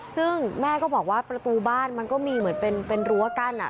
ซึ่งแม่ก็บอกว่าประตูบ้านมันก็มีเหมือนเป็นรั้วกั้น